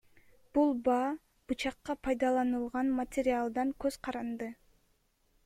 Бул баа бычакка пайдаланылган материалдан көз каранды.